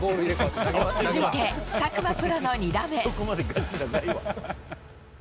続いて佐久間プロの２打目。